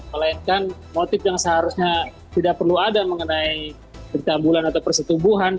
melainkan motif yang seharusnya tidak perlu ada mengenai pencambulan atau persetubuhan